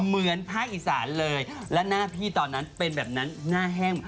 เหมือนภาคอีสานเลยและหน้าพี่ตอนนั้นเป็นแบบนั้นหน้าแห้ง